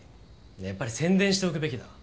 やっぱり宣伝しておくべきだ。